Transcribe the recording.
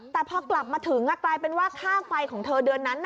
แต่พอกลับมาถึงกลายเป็นว่าค่าไฟของเธอเดือนนั้น